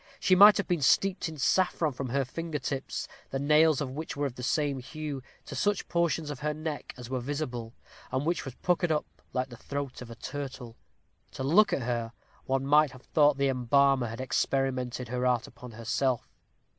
She might have been steeped in saffron from her finger tips, the nails of which were of the same hue, to such portions of her neck as were visible, and which was puckered up like the throat of a turtle. To look at her, one might have thought the embalmer had experimented her art upon herself.